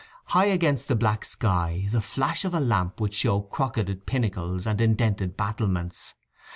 High against the black sky the flash of a lamp would show crocketed pinnacles and indented battlements.